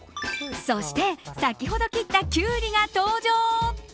そして、先ほど切ったキュウリが登場。